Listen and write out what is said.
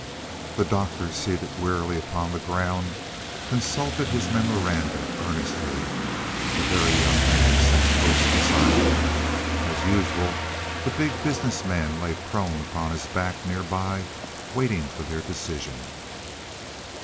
The Doctor, seated wearily upon the ground, consulted his memoranda earnestly. The Very Young Man sat close beside him. As usual the Big Business Man lay prone upon his back nearby, waiting for their decision.